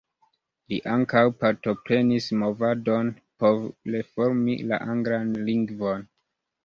Li ankaŭ partoprenis movadon por reformi la anglan lingvon.